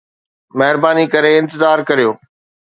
مهرباني ڪري انتظار ڪريو